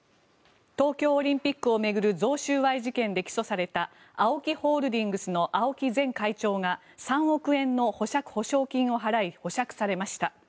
東京オリンピックを巡る贈収賄事件で起訴されたＡＯＫＩホールディングスの青木前会長が３億円の保釈保証金を払い保釈されました。